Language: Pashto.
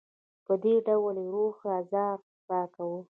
په دې ډول یې روحي آزار راکاوه.